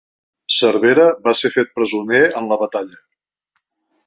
Cervera va ser fet presoner en la batalla.